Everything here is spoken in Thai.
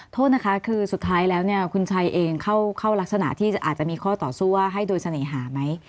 โทษนะคะคือสุดท้ายแล้วเนี่ยคุณชัยเองเข้ารักษณะที่อาจจะมีข้อต่อสู้ว่าให้โดยเสน่หาไหม